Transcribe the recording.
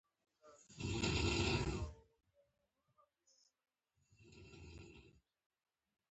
لمر ته پام وکړئ.